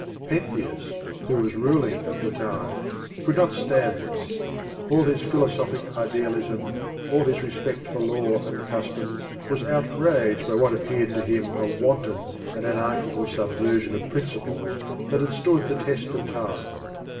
Pentheus, who was ruling at the time, could not stand this. All his philosophic idealism, all his respect for law and custom, was outraged by what appeared to him a wanton and anarchical subversion of prin ciples that had stood the test of time.